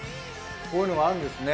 こういうのがあるんですね。